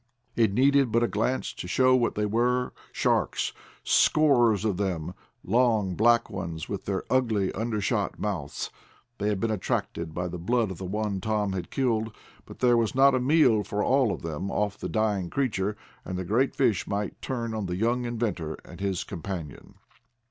It needed but a glance to show what they were, Sharks! Scores of them, long, black ones, with their ugly, undershot mouths. They had been attracted by the blood of the one Tom had killed, but there was not a meal for all of them off the dying creature, and the great fish might turn on the young inventor and his companion.